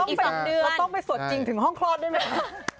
อีกสองเดือนเราต้องไปสวดจริงถึงห้องคลอดด้วยไหม